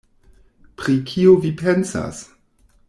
“Pri kio vi pensas?”